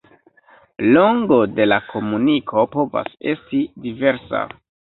Longo de la komuniko povas esti diversa.